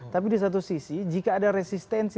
tapi di satu sisi jika ada resistensi